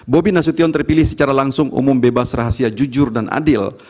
bobi nasution terpilih secara langsung umum bebas rahasia jujur dan adil